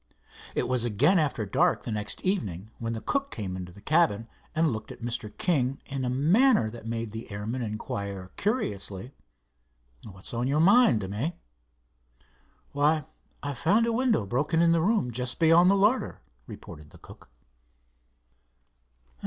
It was again after dark the next evening when the cook came into the cabin, and looked at Mr. King in a manner that made the airman inquire curiously: "What's on your mind, Demys?" "Why, I found a window broken in the room just beyond the larder," reported the cook.